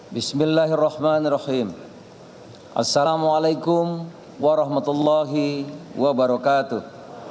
bismillahirrahmanirrahim assalamualaikum warahmatullahi wabarakatuh